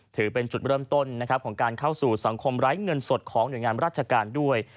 ถือเป็นจุดเริ่มต้นนะครับของการเข้าสู่สังคมไร้เงินสดของหน่วยงานราชการด้วย